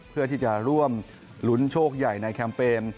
เพื่อที่จะร่วมลุ้นโชคใหญ่ในแคมเปญ